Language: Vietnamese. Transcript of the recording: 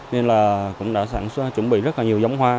nên là cũng đã sản xuất chuẩn bị rất là nhiều giống hoa